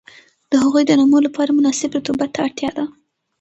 د هغوی د نمو لپاره مناسب رطوبت ته اړتیا ده.